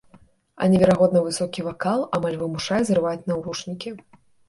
А неверагодна высокі вакал амаль вымушае зрываць навушнікі.